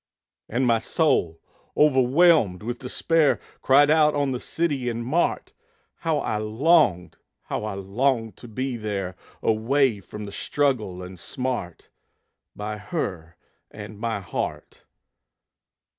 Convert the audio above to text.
And my soul, overwhelmed with despair, Cried out on the city and mart! How I longed, how I longed to be there, Away from the struggle and smart, By her and my heart!